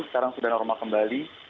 sekarang sudah normal kembali